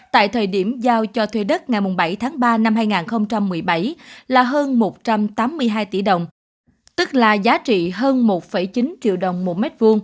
tại thời điểm giao cho thuê đất ngày bảy tháng ba năm hai nghìn một mươi bảy là hơn một trăm tám mươi hai tỷ đồng tức là giá trị hơn một chín triệu đồng một mét vuông